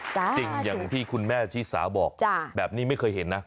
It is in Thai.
จริงอย่างที่คุณแม่ชีสาบอกแบบนี้ไม่เคยเห็นนะ